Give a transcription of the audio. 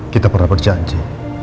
kita pernah berjanji